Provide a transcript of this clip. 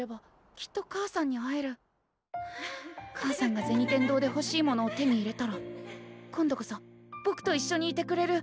母さんが銭天堂でほしいものを手に入れたら今度こそぼくといっしょにいてくれる。